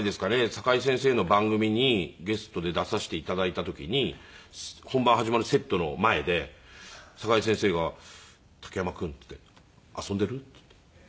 堺先生の番組にゲストで出させて頂いた時に本番始まるセットの前で堺先生が「竹山君」って言って「遊んでる？」って言って。